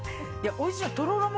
おいしい。